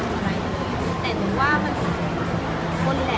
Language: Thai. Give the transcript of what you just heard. โอปอนิเซอร์เราก็ยังไม่ซื้อเธอ